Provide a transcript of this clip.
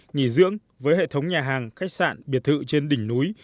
nghỉ dưỡng với hệ thống nhà hàng khách sạn biệt thự trên đỉnh núi